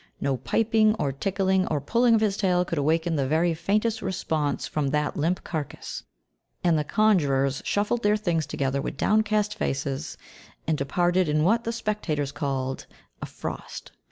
No piping or tickling or pulling of his tail could awaken the very faintest response from that limp carcass, and the conjurers shuffled their things together with downcast faces, and departed in what the spectators called "a frost."